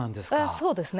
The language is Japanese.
そうですね。